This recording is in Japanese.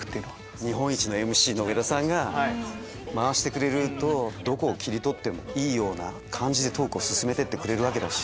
日本一のＭＣの上田さんが回してくれるとどこを切り取ってもいい感じでトークを進めてくれるわけだし。